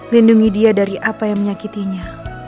lindungi dia dari apa yang menyakitinya